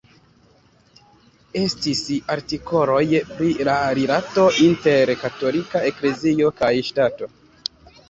Estis artikoloj pri la rilato inter Katolika Eklezio kaj Ŝtato.